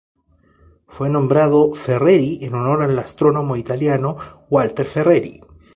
Fue nombrado Ferreri en honor al astrónomo italiano Walter Ferreri.